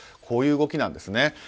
こういう動きなんですね。